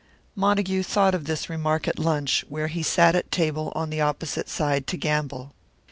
Montague thought of this remark at lunch, where he sat at table on the opposite side to Gamble.